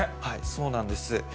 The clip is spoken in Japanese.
そうなんです。